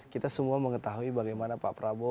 kita semua mengetahui bagaimana pak prabowo dan pak jokowi